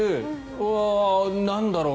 おお、なんだろう。